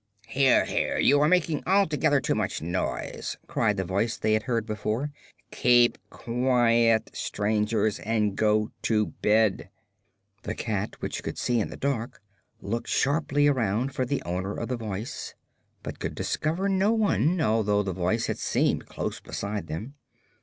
"Here, here! You are making altogether too much noise," cried the Voice they had heard before. "Keep quiet, strangers, and go to bed." The cat, which could see in the dark, looked sharply around for the owner of the Voice, but could discover no one, although the Voice had seemed close beside them.